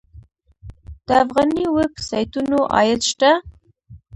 د افغاني ویب سایټونو عاید شته؟